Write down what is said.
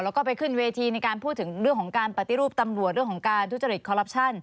แล้วก็ไปขึ้นเวทีในการพูดถึงเรื่องของการปฏิรูปตำรวจ